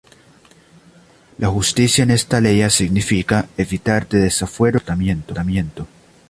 La Justicia en esta aleya significa; evitar de desafuero y acortamiento.